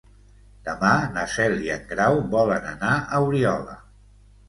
Demà na Cel i en Grau volen anar a Oriola.